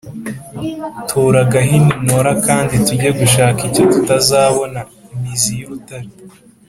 Tora agahini ntore akandi tujye gushaka icyo tutazabona.-Imizi y'urutare.